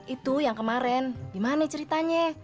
itu yang kemarin gimana ceritanya